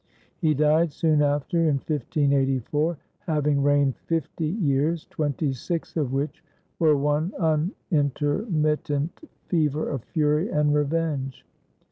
He died soon after, in 1584, having reigned fifty years, twenty six of which were one unintermittent fever of fury and revenge.